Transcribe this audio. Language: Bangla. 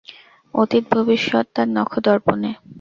অতীত ভবিষ্যৎ তার নখদর্পণে।